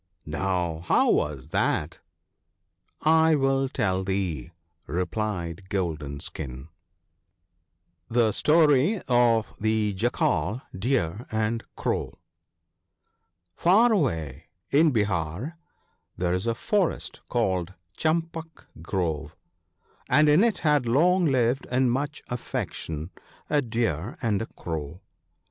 ' No ! how was that ?'' I will tell thee/ replied Golden skin :— &§t £torp of tije 3Iacfeaf 9 ^ecr, anli Croto* iAR away in Behar there is a forest called Champak Grove (* 3 ), and in it had long lived in much affection a Deer and a Crow.